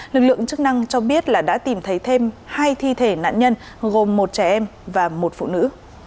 lực lượng chức năng cho biết là đã tìm thấy thêm hai thi thể nạn nhân gồm một trẻ em và một phụ nữ